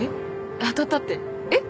当たったってえっ？